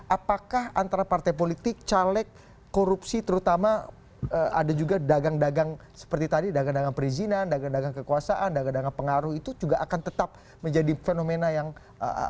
apakah antara partai politik caleg korupsi terutama ada juga dagang dagang seperti tadi dagang dagang perizinan dagang dagang kekuasaan dagang dagang pengaruh itu juga akan tetap menjadi fenomena yang ee